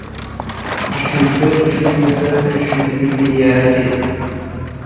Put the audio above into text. Düşünse-düşünmese düşnükli diýýärdi.